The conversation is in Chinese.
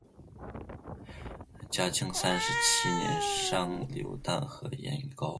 嘉靖三十七年上疏弹劾严嵩。